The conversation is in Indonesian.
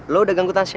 lo udah ganggu tahasya